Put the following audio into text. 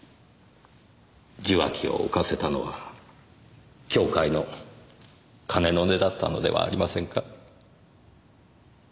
受話器を置かせたのは教会の鐘の音だったのではありませんか？